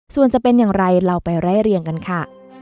ส่วนจะเป็นอย่างไรเราไปไล่เรียงกันค่ะ